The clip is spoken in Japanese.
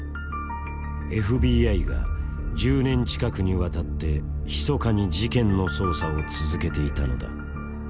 ＦＢＩが１０年近くにわたってひそかに事件の捜査を続けていたのだ。